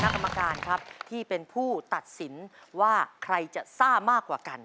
กรรมการครับที่เป็นผู้ตัดสินว่าใครจะซ่ามากกว่ากัน